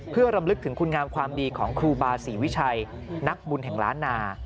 เพื่อรำลึกถึงคุณงามความดีของครูบาศรีวิชัยนักบุญแห่งล้านนา